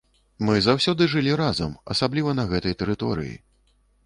Мы заўсёды жылі разам, асабліва на гэтай тэрыторыі.